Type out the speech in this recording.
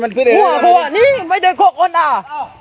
เมื่อเราหมายละเขามีสิ่งมะต่อมา